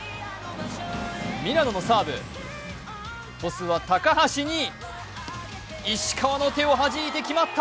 ミラノのサーブ、トスは高橋に石川の手をはじいて決まった！